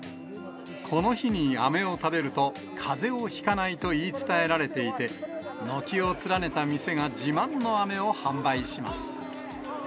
この日にあめを食べると、かぜをひかないと言い伝えられていて、軒を連ねた店が自慢のあめを販売します。